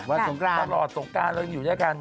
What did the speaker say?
สงกรานตลอดสงการเรายังอยู่ด้วยกัน